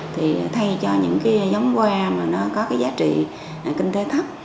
thì thay cho những giống hoa có giá trị kinh tế thấp